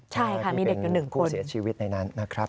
ใช่ค่ะมีเด็กอยู่๑คนเสียชีวิตในนั้นนะครับ